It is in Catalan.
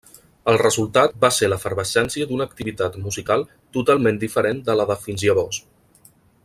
El resultat va ser l'efervescència d'una activitat musical totalment diferent de la de fins llavors.